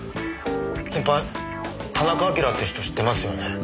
先輩田中晶って人知ってますよね？